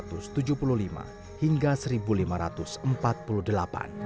kisah kisah yang terakhir